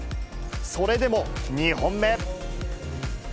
それでも２本目。